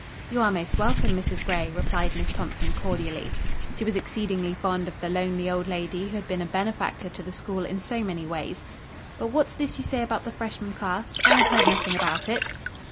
"You are most welcome, Mrs. Gray," replied Miss Thompson, cordially. She was exceedingly fond of the lonely old lady who had been a benefactor to the school in so many ways. "But what's this you say about the freshman class? I have heard nothing about it."